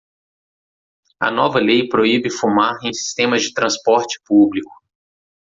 A nova lei proíbe fumar em sistemas de transporte público.